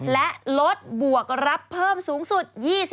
และลดบวกรับเพิ่มสูงสุด